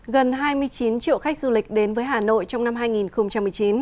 gần hai mươi chín triệu khách du lịch đến với hà nội trong năm hai nghìn một mươi chín